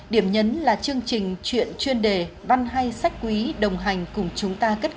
điểm nhấn là chương trình chuyện chuyên đề văn hay sách quý đồng hành cùng chúng ta cất cánh